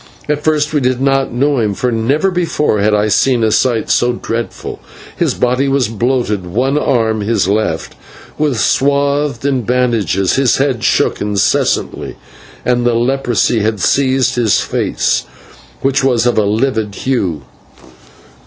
At first we did not know him, for never before had I seen a sight so dreadful. His body was bloated; one arm his left was swathed in bandages; his head shook incessantly; and the leprosy had seized his face, which was of a livid hue.